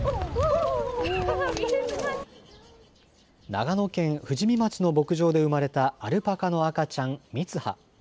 長野県富士見町の牧場で生まれたアルパカの赤ちゃん、みつは。